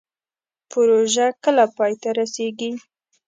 پروژه کله پای ته رسیږي؟